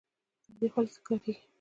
تاریخ ولې تکراریږي؟